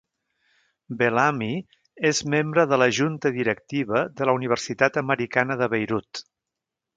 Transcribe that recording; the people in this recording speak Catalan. Bellamy és membre de la Junta Directiva de la Universitat Americana de Beirut.